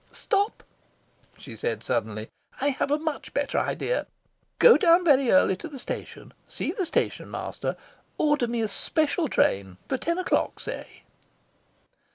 "Stop!" she said suddenly. "I have a much better idea. Go down very early to the station. See the station master. Order me a special train. For ten o'clock, say."